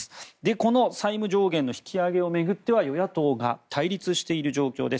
この債務上限の引き上げを巡っては与野党が対立している状況です。